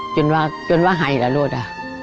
จนว่าให้ละรวดอะ